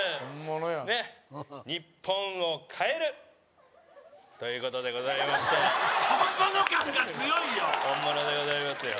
ねっ日本を変えるということでございまして本物感が強いよ